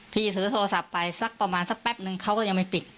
ถือโทรศัพท์ไปสักประมาณสักแป๊บนึงเขาก็ยังไม่ปิด